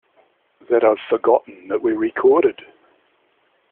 That I've forgotten that we recorded.